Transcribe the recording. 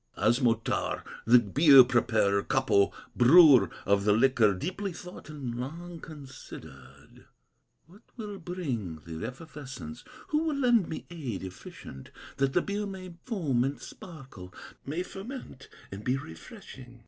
"Osmotar, the beer preparer, Kapo, brewer of the liquor, Deeply thought and long considered: 'What will bring the effervescence, Who will lend me aid efficient, That the beer may foam and sparkle, May ferment and be refreshing?